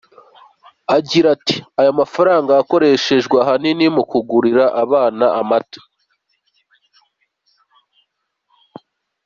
Agira ati “Aya mafaranga yakoreshejwe ahanini mu kugurira abana amata.